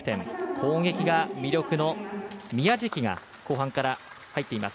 攻撃が魅力の宮食が後半から入っています。